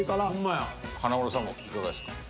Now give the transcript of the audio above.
華丸さんもいかがですか？